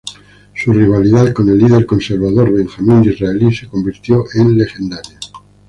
Su rivalidad con el líder conservador Benjamin Disraeli se convirtió en legendaria.